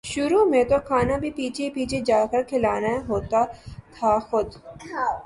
شروع میں تو کھانا بھی پیچھے پیچھے جا کر کھلانا ہوتا تھا خود